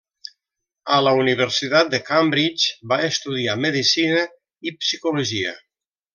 A la Universitat de Cambridge va estudiar medicina i psicologia.